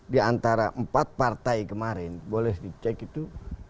di antara empat partai kemarin boleh dicek itu